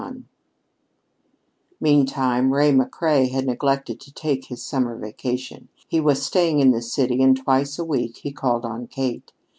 XXI Meantime, Ray McCrea had neglected to take his summer vacation. He was staying in the city, and twice a week he called on Kate.